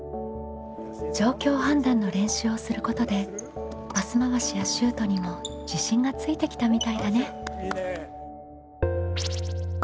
状況判断の練習をすることでパス回しやシュートにも自信がついてきたみたいだね。